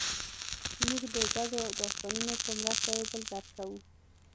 موږ د ګډو داستانونو په مرسته یو بل درک کوو.